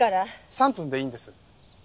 ３分でいいんです。